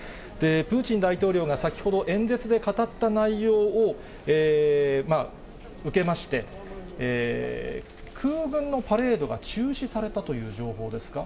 プーチン大統領が先ほど演説で語った内容を受けまして、空軍のパレードが中止されたという情報ですか。